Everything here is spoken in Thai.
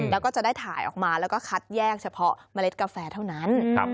แล้วก็จะได้ถ่ายออกมาแล้วก็คัดแยกเฉพาะเมล็ดกาแฟเท่านั้น